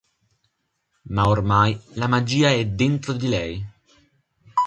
Ma ormai la magia è dentro di lei.